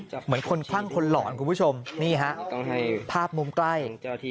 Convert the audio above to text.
เหมือนคนคลั่งคนหลอนคุณผู้ชมนี่ฮะภาพมุมใกล้